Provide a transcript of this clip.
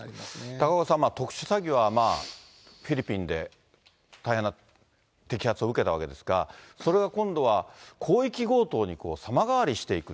高岡さん、特殊詐欺はフィリピンで大変な摘発を受けたわけですが、それが今度は、広域強盗に様変わりしていく。